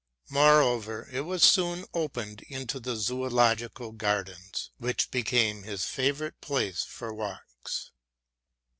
Moreover it soon opened into the Zoological Gardens, which became his favourite place for walks.